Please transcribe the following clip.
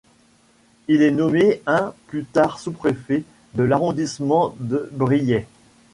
Il est nommé un plus tard sous-préfet de l'arrondissement de Briey.